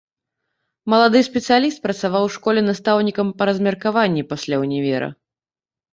Малады спецыяліст працаваў у школе настаўнікам па размеркаванні, пасля ўнівера.